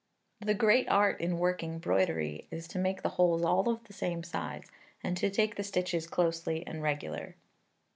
The great art in working broderie is to make the holes all of the same size, and to take the stitches closely and regular.